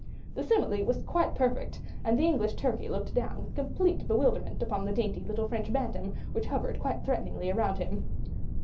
The simile was quite perfect, and the English turkey looked down with complete bewilderment upon the dainty little French bantam, which hovered quite threateningly around him.